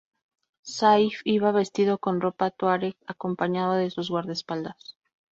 Saif iba vestido con ropa tuareg acompañado de sus guardaespaldas.